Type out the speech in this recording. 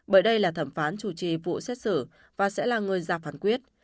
bởi đây là thẩm phán chủ trì vụ xét xử và sẽ là người ra phán quyết